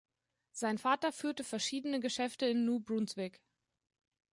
Sein Vater führte verschiedene Geschäfte in New Brunswick.